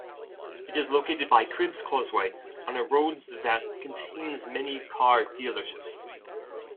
It is located by Cribbs Causeway, on a road that contains many car dealerships.